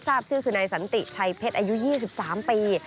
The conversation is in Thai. ทราบชื่อคือนายสันติชัยเพชรอายุ๒๓ปี